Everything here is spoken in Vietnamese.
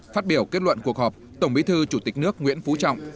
phát biểu kết luận cuộc họp tổng bí thư chủ tịch nước nguyễn phú trọng